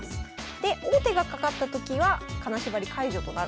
で王手がかかったときは金縛り解除となる。